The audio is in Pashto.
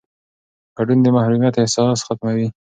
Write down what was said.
ګډون د محرومیت احساس ختموي